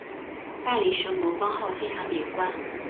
大理石磨光后非常美观。